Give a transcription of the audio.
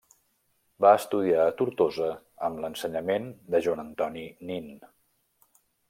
Va estudiar a Tortosa amb l'ensenyament de Joan Antoni Nin.